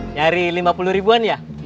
nyari lima puluh ribuan ya